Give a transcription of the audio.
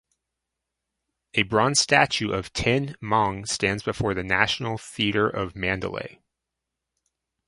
A bronze statue of Tin Maung stands before the National Theatre of Mandalay.